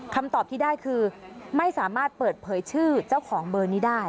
คำตอบที่ได้คือไม่สามารถเปิดเผยชื่อเจ้าของเบอร์นี้ได้